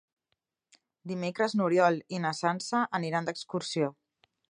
Dimecres n'Oriol i na Sança aniran d'excursió.